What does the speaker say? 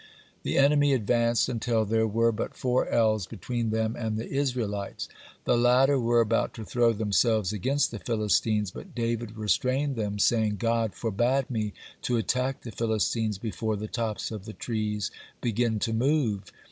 The enemy advanced until there were but four ells between them and the Israelites. The latter were about to throw themselves against the Philistines, but David restrained them, saying: "God forbade me to attack the Philistines before the tops of the trees begin to move.